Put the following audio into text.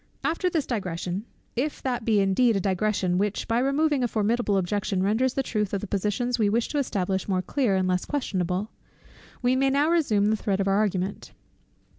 After this digression, if that be indeed a digression which by removing a formidable objection renders the truth of the positions we wish to establish more clear and less questionable, we may now resume the thread of our argument.